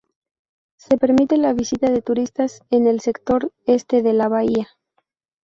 Se permite la visita de turistas en el sector este de la bahía.